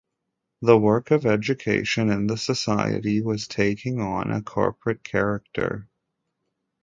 The work of education in the Society was taking on a corporate character.